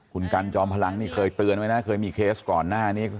คุณกันจอมพลังนี่เคยเตือนไว้นะเคยมีเคสก่อนหน้านี้